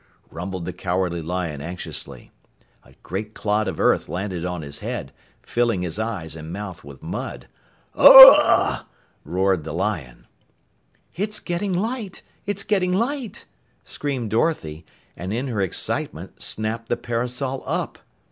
rumbled the Cowardly Lion anxiously. A great clod of earth landed on his head, filling his eyes and mouth with mud. "Ugh!" roared the lion. "It's getting light! It's getting light!" screamed Dorothy, and in her excitement snapped the parasol up.